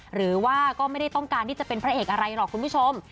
หรือว่าก็ไม่ได้ต้องการที่จะเป็นพระเอกอะไรหรอกคุณผู้ชม